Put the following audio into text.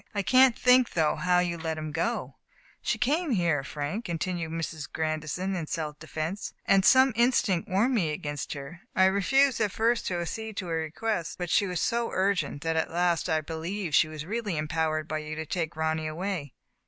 I can't think, though, how you let him go. " She came here, Frank, continued Mrs. Grandison, in self defense, " and some instinct warned me against her. I refused at first to ac cede to her request, but she was so urgent that at last I believed she was really empowered by you to take Ronny away.